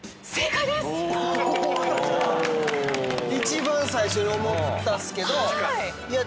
一番最初に思ったんすけどいや